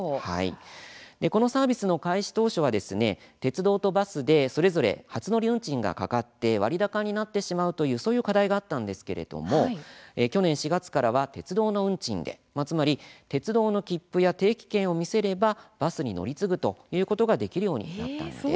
このサービスの開始当初は鉄道とバスで、それぞれ初乗り運賃がかかって割高になってしまうというそういう課題があったんですけれども去年４月からは鉄道の運賃でつまり、鉄道の切符や定期券を見せればバスに乗り継ぐことができるようになったんです。